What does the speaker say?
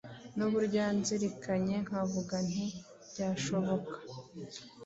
n'uburyo yanzirikanye, nkavuga nti byashoboka